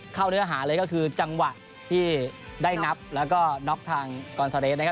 เนื้อหาเลยก็คือจังหวะที่ได้นับแล้วก็น็อกทางกรซาเรย์นะครับ